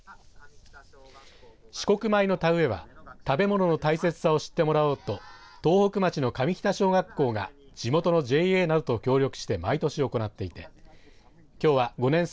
紫黒米の田植えは食べ物の大切さを知ってもらおうと東北町の上北小学校が地元のＪＡなどと協力して毎年行っていてきょうは５年生